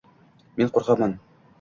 Men qo’rqoqman…